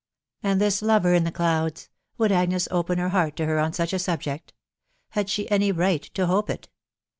And this lover in the clouds Would Agnes open her heart to her on such a subject ?.... Had she any right to hope it?